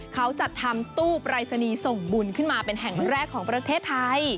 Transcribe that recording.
เขาจัดทำตู้ปรายศนีย์ส่งบุญขึ้นมาเป็นแห่งแรกของประเทศไทย